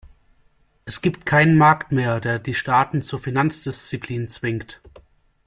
Es gibt keinen Markt mehr, der die Staaten zur Finanzdisziplin zwingt.